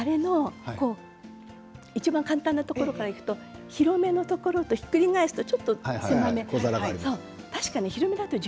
いちばん簡単なところからいくと広めのところとひっくり返すと。